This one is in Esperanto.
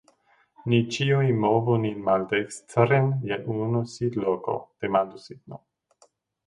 Ni ĉiuj movu nin maldekstren je unu sidloko?